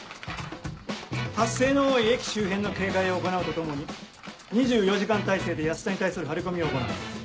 発生の多い駅周辺の警戒を行うとともに２４時間態勢で安田に対する張り込みを行う。